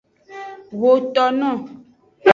Xotono.